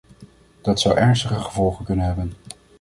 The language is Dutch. Dat zou ernstige gevolgen kunnen hebben.